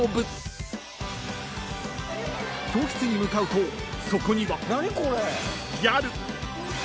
［教室に向かうとそこには］